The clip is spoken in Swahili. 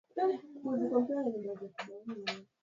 malaria huenezwa kutoka kwa mtu mmoja hadi mwingine